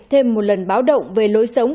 thêm một lần báo động về lối sống